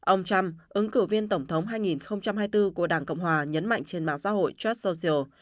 ông trump ứng cử viên tổng thống hai nghìn hai mươi bốn của đảng cộng hòa nhấn mạnh trên mạng xã hội charts social